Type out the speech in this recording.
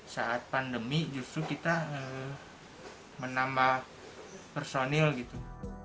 saat pandemi justru kita menambah personil gitu